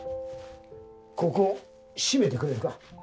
ここ締めてくれるか。